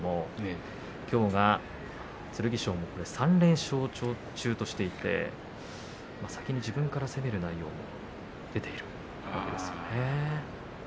きょうは剣翔が３連勝中としていて先に自分から攻める内容が出ているんですよね。